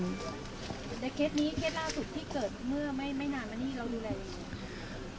แต่เคสนี้เคสล่าสุดที่เกิดเมื่อไม่นานมานี่เราดูแลยังไง